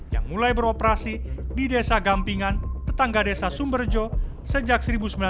yang mulai beroperasi di desa gampingan tetangga desa sumberjo sejak seribu sembilan ratus sembilan puluh